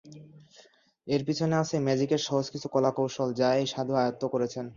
এর পিছনে আছে ম্যাজিকের সহজ কিছু কলাকৌশল, যা এই সাধু আয়ত্ত করেছেন।